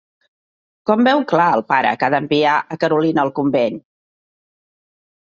Com veu clar el pare que ha d'enviar a Carolina al convent?